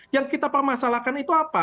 yang kita permasalahkan itu apa